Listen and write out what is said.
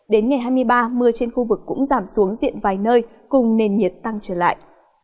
đến ngày hai mươi ba mưa trên khu vực cũng giảm xuống diện vài nơi cùng nền nhiệt tăng trở lại